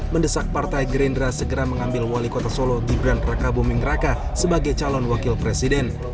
mendesak partai gerindra segera mengambil wali kota solo gibran raka buming raka sebagai calon wakil presiden